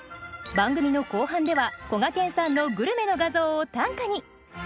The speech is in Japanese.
番組の後半ではこがけんさんのグルメの画像を短歌に。